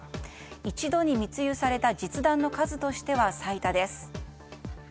一度に密輸された実弾の数としては最多です。